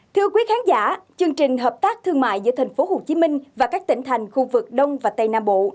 thưa quý khán giả chương trình hợp tác thương mại giữa thành phố hồ chí minh và các tỉnh thành khu vực đông và tây nam bộ